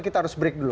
kita harus break dulu